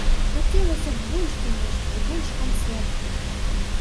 Хацелася б больш, канешне, і больш канцэртаў.